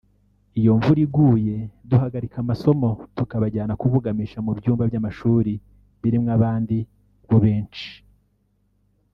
iyo imvura iguye duhagarika amasomo tukabajyana kubugamisha mu byumba by’amashuri birimo abandi na bo benshi